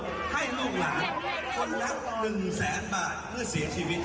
จะขึ้นไปจะมีวันดุให้ลูกหลานคนรักหนึ่งแสนบาทเพื่อเสียชีวิตครับ